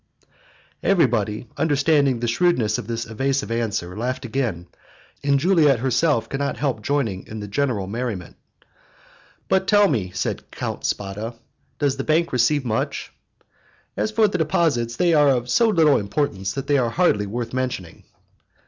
Everybody, understanding the shrewdness of this evasive answer, laughed again, and Juliette herself could not help joining in the general merriment. "But tell me," said Count Spada, "does the bank receive much?" "As for the deposits, they are of so little importance, that they are hardly worth mentioning."